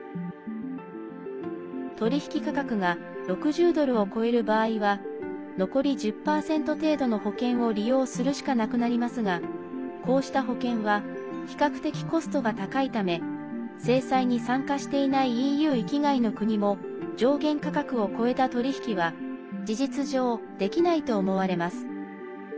取引価格が６０ドルを超える場合は残り１０％程度の保険を利用するしかなくなりますがこうした保険は比較的コストが高いため制裁に参加していないＥＵ域外の国も上限価格を超えた取り引きは事実上、できないと思われます。